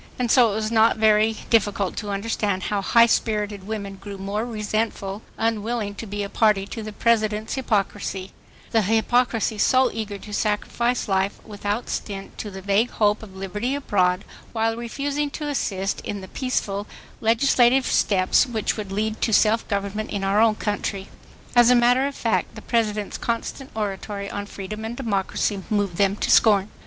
And so it was not very difficult to understand how high spirited women grew more resentful, unwilling to be a party to the President's hypocrisy, the hypocrisy so eager to sacrifice life without stint to the vague hope of liberty abroad, while refusing to assist in the peaceful legislative steps which would lead to self government in our own country. As a matter of fact the President's constant oratory on freedom and democracy moved them to scorn.